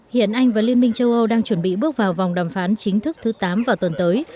hiện anh và liên minh châu âu đang chuẩn bị bước vào vòng đàm phán chính thức thứ tám vào tuần tới